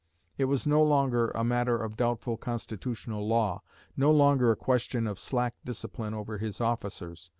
It was no longer a matter of doubtful constitutional law; no longer a question of slack discipline over his officers.